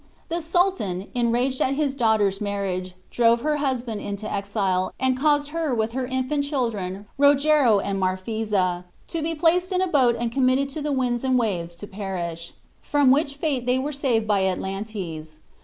The Sultan, enraged at his daughter's marriage, drove her husband into exile, and caused her with her infant children, Rogero and Marphisa, to be placed in a boat and committed to the winds and waves, to perish; from which fate they were saved by Atlantes.